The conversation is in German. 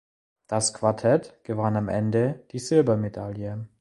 Das Quartett gewann am Ende die Silbermedaille.